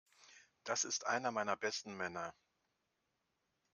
Das ist einer meiner besten Männer.